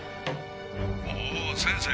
「おお先生